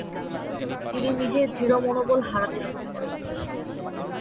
তিনি নিজের দৃঢ় মনোবল হারাতে শুরু করেন।